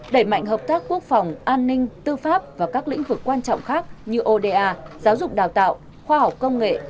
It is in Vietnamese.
đẩy mạnh hợp tác quốc phòng an ninh tư pháp và các lĩnh vực quan trọng khác như oda giáo dục đào tạo khoa học công nghệ